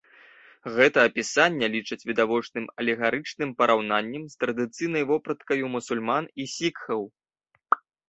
Гэта апісанне лічаць відавочным алегарычным параўнаннем з традыцыйнай вопраткаю мусульман і сікхаў.